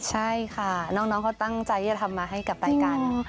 ใช่ค่ะน้องเขาตั้งใจที่จะทำมาให้กลับไปกัน